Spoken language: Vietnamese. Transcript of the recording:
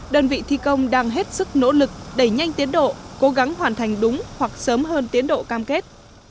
đơn vị thi công đang hết sức nỗ lực đẩy nhanh tiến độ cố gắng hoàn thành đúng hoặc sớm hơn tiến độ cam kết